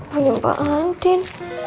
punya pak andin